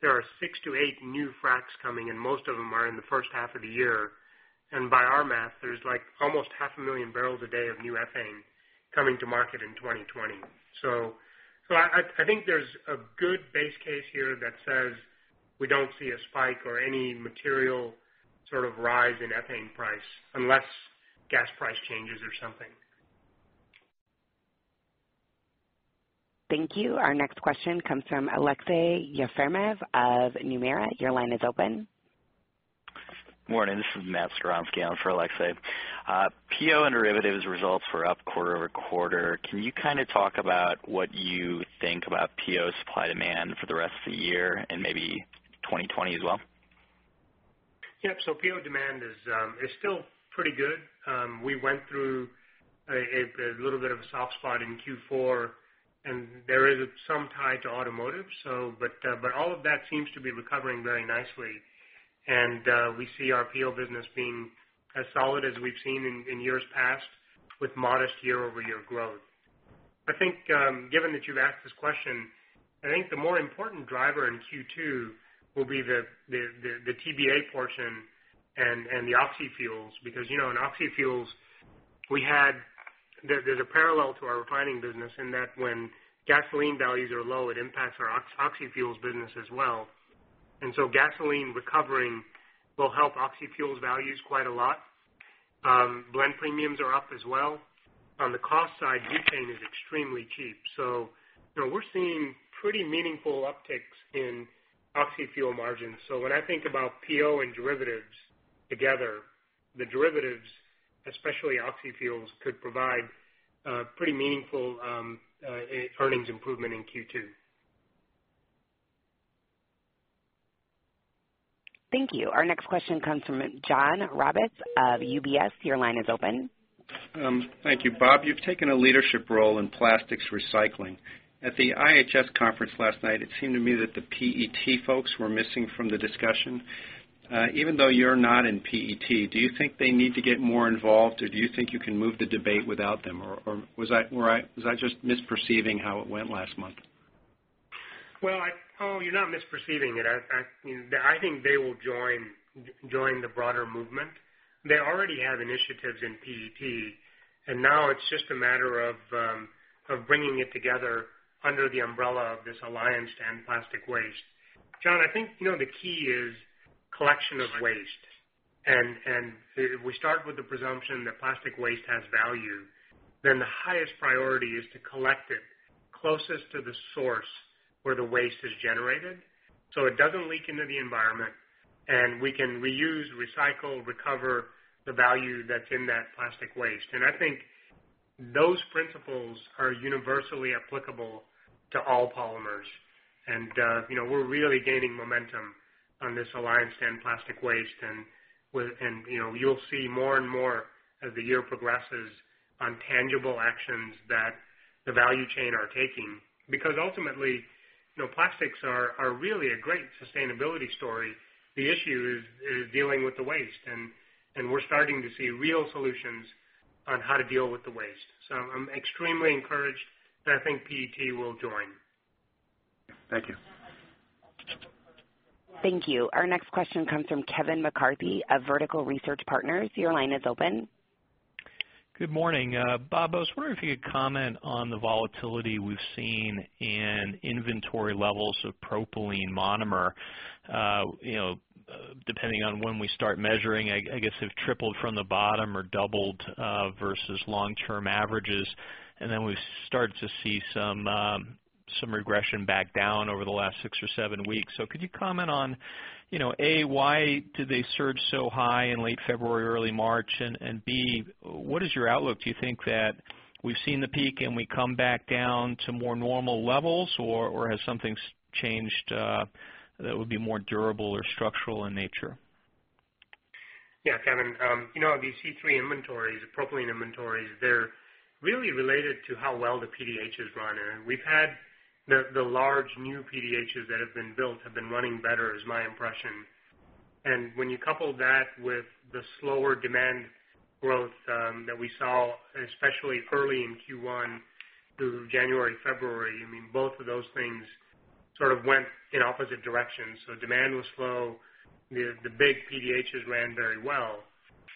there are six to eight new fracs coming, and most of them are in the first half of the year. By our math, there's almost half a million barrels a day of new ethane coming to market in 2020. I think there's a good base case here that says we don't see a spike or any material sort of rise in ethane price unless gas price changes or something. Thank you. Our next question comes from Aleksey Yefremov of Nomura. Your line is open. Morning. This is Matt Skowronski in for Aleksey. PO and Derivatives results were up quarter-over-quarter. Can you kind of talk about what you think about PO supply demand for the rest of the year and maybe 2020 as well? Yep. PO demand is still pretty good. We went through a little bit of a soft spot in Q4, and there is some tie to automotive. All of that seems to be recovering very nicely, and we see our PO business being as solid as we've seen in years past with modest year-over-year growth. I think, given that you've asked this question, I think the more important driver in Q2 will be the TBA portion and the oxy fuels. In oxy fuels, there's a parallel to our refining business in that when gasoline values are low, it impacts our oxy fuels business as well. Gasoline recovering will help oxy fuels values quite a lot. Blend premiums are up as well. On the cost side, butane is extremely cheap. We're seeing pretty meaningful upticks in oxy fuel margins. When I think about PO and derivatives together, the derivatives, especially oxy fuels, could provide a pretty meaningful earnings improvement in Q2. Thank you. Our next question comes from John Roberts of UBS. Your line is open. Thank you. Bob, you've taken a leadership role in plastics recycling. At the IHS conference last night, it seemed to me that the PET folks were missing from the discussion. Even though you're not in PET, do you think they need to get more involved, or do you think you can move the debate without them, or was I just misperceiving how it went last month? Well, no, you're not misperceiving it. I think they will join the broader movement. They already have initiatives in PET, now it's just a matter of bringing it together under the umbrella of this Alliance to End Plastic Waste. John, I think the key is collection of waste. If we start with the presumption that plastic waste has value, then the highest priority is to collect it closest to the source where the waste is generated so it doesn't leak into the environment, and we can reuse, recycle, recover the value that's in that plastic waste. I think those principles are universally applicable to all polymers. We're really gaining momentum on this Alliance to End Plastic Waste, and you'll see more and more as the year progresses on tangible actions that the value chain are taking. Ultimately, plastics are really a great sustainability story. The issue is dealing with the waste, and we're starting to see real solutions on how to deal with the waste. I'm extremely encouraged, and I think PET will join. Thank you. Thank you. Our next question comes from Kevin McCarthy of Vertical Research Partners. Your line is open. Good morning. Bob, I was wondering if you could comment on the volatility we've seen in inventory levels of propylene monomer. Depending on when we start measuring, I guess they've tripled from the bottom or doubled, versus long-term averages. Then we've started to see some regression back down over the last six or seven weeks. Could you comment on, A, why did they surge so high in late February, early March, and B, what is your outlook? Do you think that we've seen the peak and we come back down to more normal levels, or has something changed, that would be more durable or structural in nature? Yeah, Kevin. These C3 inventories, propylene inventories, they're really related to how well the PDH is running. We've had the large new PDHs that have been built have been running better is my impression. When you couple that with the slower demand growth that we saw, especially early in Q1 through January, February, both of those things sort of went in opposite directions. Demand was slow. The big PDHs ran very well.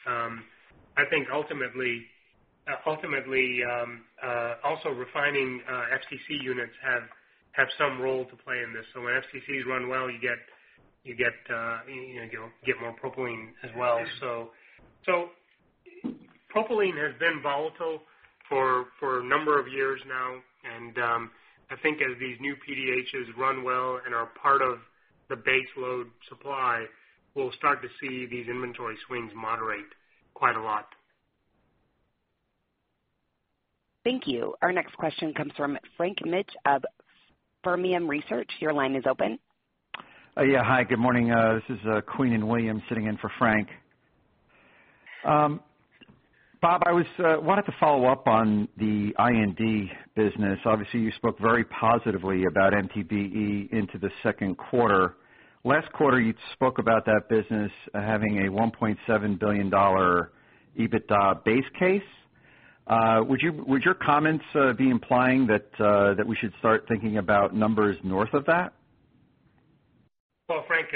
I think ultimately, also refining FCC units have some role to play in this. When FCCs run well, you get more propylene as well. Propylene has been volatile for a number of years now, and I think as these new PDHs run well and are part of the base load supply, we'll start to see these inventory swings moderate quite a lot. Thank you. Our next question comes from Frank Mitsch of Fermium Research. Your line is open. Yeah. Hi, good morning. This is Quinlan Williams sitting in for Frank. Bob, I wanted to follow up on the I&D business. Obviously, you spoke very positively about MTBE into the second quarter. Last quarter, you spoke about that business having a $1.7 billion EBITDA base case. Would your comments be implying that we should start thinking about numbers north of that? Frank,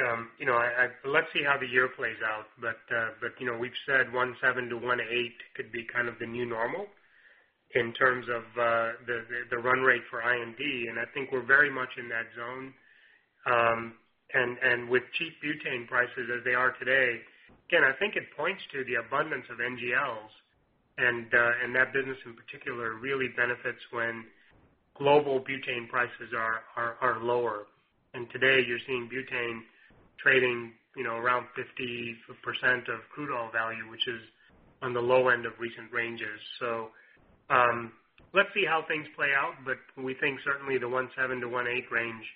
let's see how the year plays out. We've said $1.7 billion-$1.8 billion could be kind of the new normal in terms of the run rate for I&D, and I think we're very much in that zone. With cheap butane prices as they are today, again, I think it points to the abundance of NGLs. That business in particular really benefits when global butane prices are lower. Today you're seeing butane trading around 50% of crude oil value, which is on the low end of recent ranges. Let's see how things play out, but we think certainly the $1.7 billion-$1.8 billion range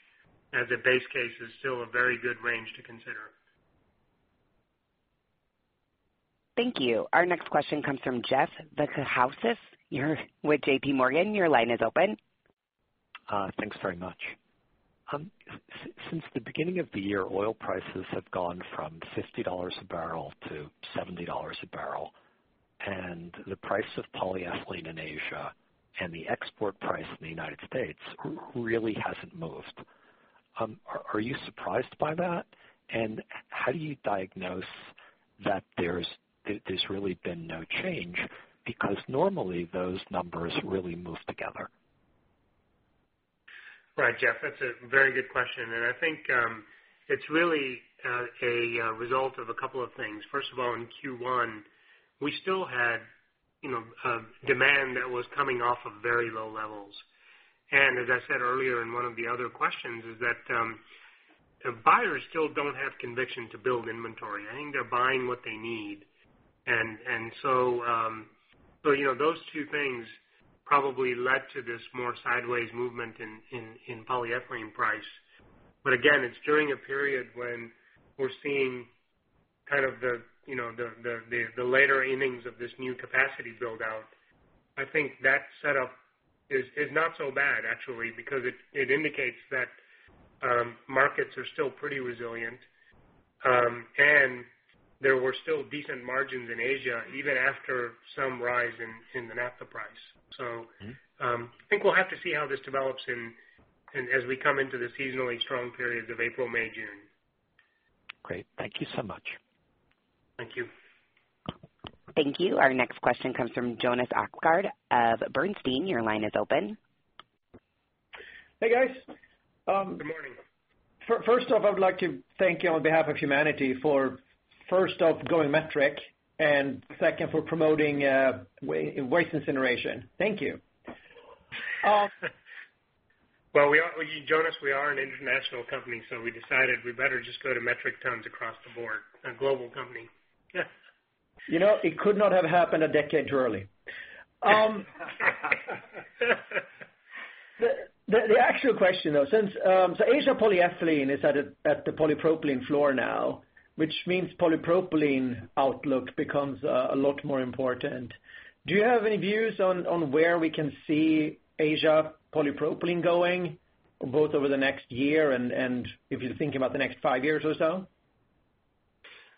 as a base case is still a very good range to consider. Thank you. Our next question comes from Jeff Zekauskas with JPMorgan. Your line is open. Thanks very much. Since the beginning of the year, oil prices have gone from $50 a barrel to $70 a barrel. The price of polyethylene in Asia and the export price in the United States. Who really hasn't moved. Are you surprised by that? How do you diagnose that there's really been no change? Because normally those numbers really move together. Right, Jeff, that's a very good question. I think it's really a result of a couple of things. First of all, in Q1, we still had demand that was coming off of very low levels. As I said earlier in one of the other questions, is that buyers still don't have conviction to build inventory. I think they're buying what they need. Those two things probably led to this more sideways movement in polyethylene price. Again, it's during a period when we're seeing the later innings of this new capacity build-out. I think that setup is not so bad actually, because it indicates that markets are still pretty resilient. There were still decent margins in Asia, even after some rise in the naphtha price. I think we'll have to see how this develops as we come into the seasonally strong periods of April, May, June. Great. Thank you so much. Thank you. Thank you. Our next question comes from Jonas Oxgaard of Bernstein. Your line is open. Hey, guys. Good morning. First off, I would like to thank you on behalf of humanity for first off, going metric, and second for promoting waste incineration. Thank you. Well, Jonas, we are an international company, so we decided we better just go to metric tons across the Board. A global company. You know, it could not have happened a decade too early. The actual question, though. Asia polyethylene is at the polypropylene floor now, which means polypropylene outlook becomes a lot more important. Do you have any views on where we can see Asia polypropylene going, both over the next year and if you're thinking about the next five years or so?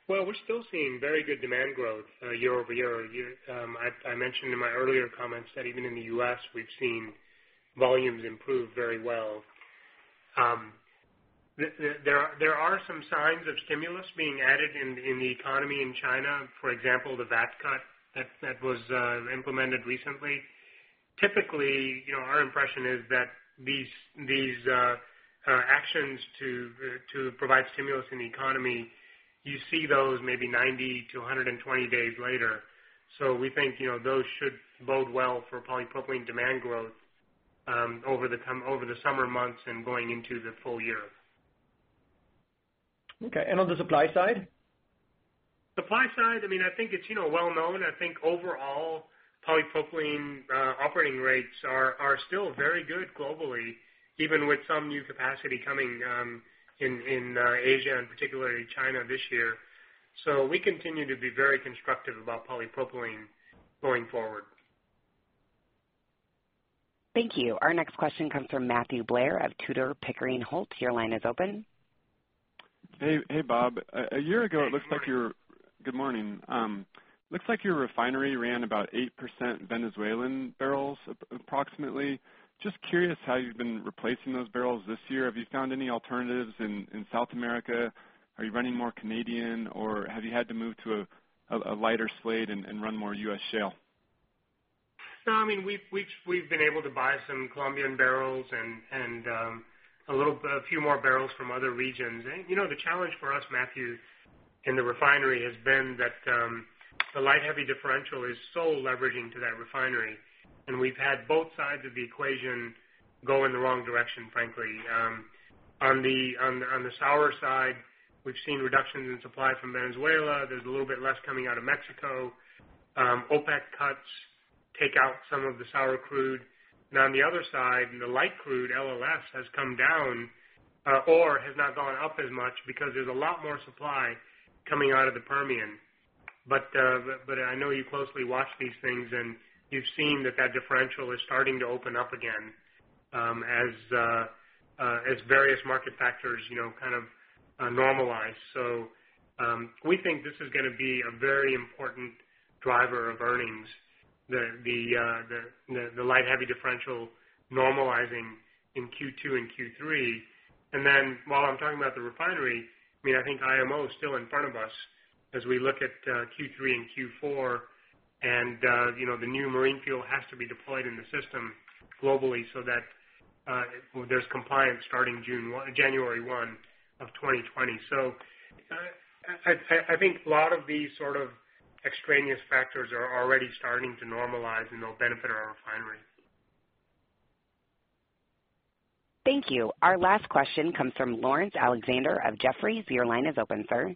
Well, we're still seeing very good demand growth year-over-year. I mentioned in my earlier comments that even in the U.S. we've seen volumes improve very well. There are some signs of stimulus being added in the economy in China, for example, the VAT cut that was implemented recently. Typically, our impression is that these actions to provide stimulus in the economy, you see those maybe 90 to 120 days later. We think those should bode well for polypropylene demand growth over the summer months and going into the full year. Okay, on the supply side? Supply side, I think it's well known. I think overall, polypropylene operating rates are still very good globally, even with some new capacity coming in Asia and particularly China this year. We continue to be very constructive about polypropylene going forward. Thank you. Our next question comes from Matthew Blair of Tudor, Pickering, Holt. Your line is open. Hey, Bob. Hey, Matt. Good morning. Looks like your refinery ran about 8% Venezuelan barrels, approximately. Just curious how you've been replacing those barrels this year. Have you found any alternatives in South America? Are you running more Canadian, or have you had to move to a lighter slate and run more U.S. shale? We've been able to buy some Colombian barrels and a few more barrels from other regions. The challenge for us, Matthew, in the refinery has been that the light, heavy differential is so leveraging to that refinery, we've had both sides of the equation go in the wrong direction, frankly. On the sour side, we've seen reductions in supply from Venezuela. There's a little bit less coming out of Mexico. OPEC cuts take out some of the sour crude. On the other side, the light crude, LLS, has come down or has not gone up as much because there's a lot more supply coming out of the Permian. I know you closely watch these things, and you've seen that that differential is starting to open up again as various market factors kind of normalize. We think this is going to be a very important driver of earnings. The light, heavy differential normalizing in Q2 and Q3. While I'm talking about the refinery, I think IMO is still in front of us as we look at Q3 and Q4, the new marine fuel has to be deployed in the system globally so that there's compliance starting January 1 of 2020. I think a lot of these sort of extraneous factors are already starting to normalize, they'll benefit our refinery. Thank you. Our last question comes from Laurence Alexander of Jefferies. Your line is open, sir.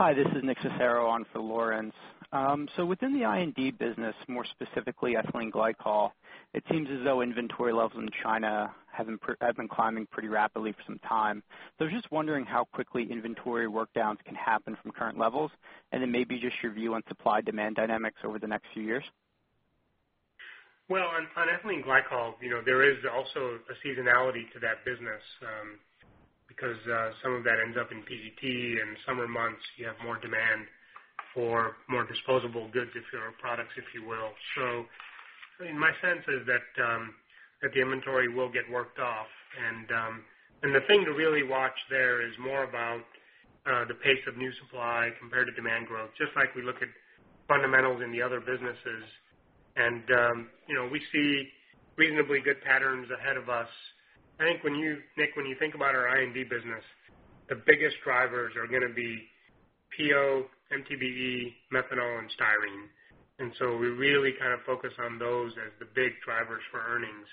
Hi, this is Nicholas Cecero on for Laurence. Within the I&D business, more specifically ethylene glycol, it seems as though inventory levels in China have been climbing pretty rapidly for some time. I'm just wondering how quickly inventory work downs can happen from current levels, maybe just your view on supply demand dynamics over the next few years. On ethylene glycol, there is also a seasonality to that business because some of that ends up in PET. In summer months, you have more demand for more disposable goods, different products, if you will. My sense is that the inventory will get worked off, and the thing to really watch there is more about the pace of new supply compared to demand growth. Just like we look at fundamentals in the other businesses. We see reasonably good patterns ahead of us. I think, Nick, when you think about our I&D business, the biggest drivers are going to be PO, MTBE, methanol, and styrene. We really kind of focus on those as the big drivers for earnings.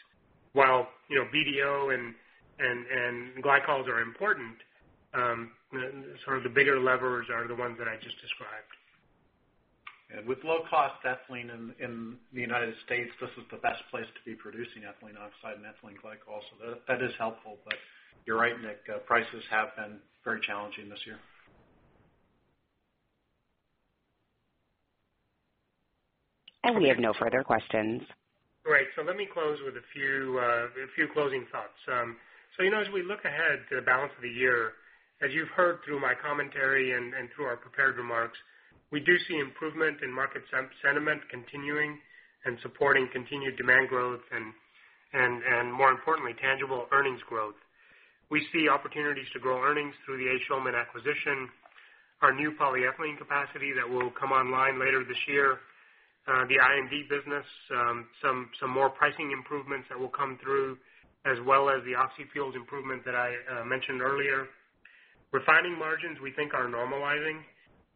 While BDO and glycols are important, sort of the bigger levers are the ones that I just described. Yeah. With low cost ethylene in the United States this is the best place to be producing ethylene oxide and ethylene glycol. That is helpful. You're right, Nick, prices have been very challenging this year. We have no further questions. Great. Let me close with a few closing thoughts. As we look ahead to the balance of the year, as you've heard through my commentary and through our prepared remarks, we do see improvement in market sentiment continuing and supporting continued demand growth and more importantly, tangible earnings growth. We see opportunities to grow earnings through the A. Schulman acquisition, our new polyethylene capacity that will come online later this year, the I&D business, some more pricing improvements that will come through, as well as the Oxy fuels improvement that I mentioned earlier. Refining margins we think are normalizing,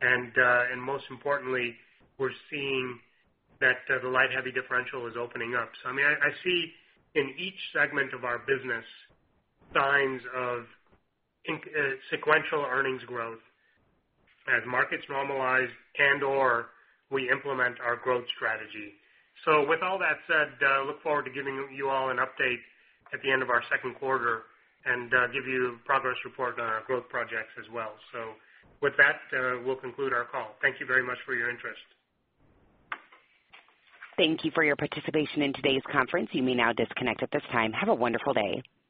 and most importantly, we're seeing that the light heavy differential is opening up. I see in each segment of our business signs of sequential earnings growth as markets normalize and/or we implement our growth strategy. With all that said, look forward to giving you all an update at the end of our second quarter and give you a progress report on our growth projects as well. With that, we'll conclude our call. Thank you very much for your interest. Thank you for your participation in today's conference. You may now disconnect at this time. Have a wonderful day.